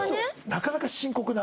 なかなか深刻な。